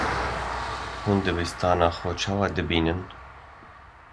Hûn dibistana xwe çawa dibînin?